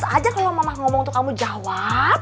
terus aja kalau mama ngomong tuh kamu jawab